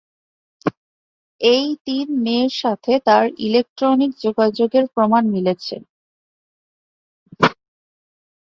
এই তিন মেয়ের সাথে তার ইলেকট্রনিক যোগাযোগের প্রমাণ মিলেছে।